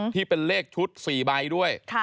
ที่เป็นเลขชุด๔ใบด้วย